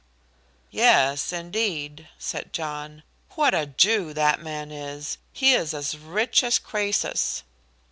"Yes, indeed," said John. "What a Jew that man is! He is as rich as Croesus."